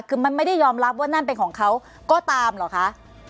คือมันไม่ได้ยอมรับว่านั่นเป็นของเขาก็ตามเหรอคะ